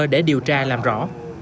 để điều tra làm rõ